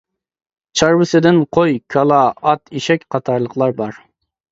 چارۋىسىدىن قوي، كالا، ئات، ئېشەك قاتارلىقلار بار.